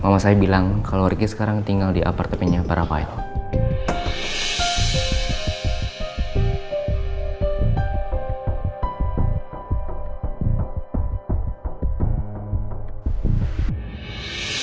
kalau saya bilang kalau ricky sekarang tinggal di apartemennya para pilot